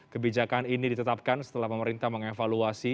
kebijakan ini ditetapkan setelah pemerintah mengevaluasi